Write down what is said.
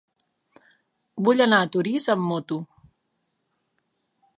Vull anar a Torís amb moto.